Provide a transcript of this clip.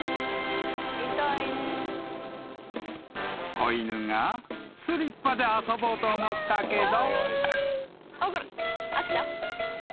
［子犬がスリッパで遊ぼうと思ったけど］